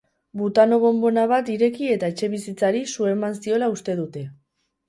Butano-bonbona bat ireki eta etxebizitzari su eman ziola uste dute.